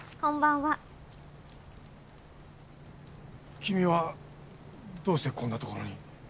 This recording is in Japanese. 君はどうしてこんなところに？